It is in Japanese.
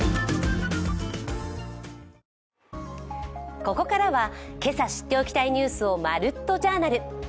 ここからは今朝知っておきたいニュースを「まるっと！Ｊｏｕｒｎａｌ」。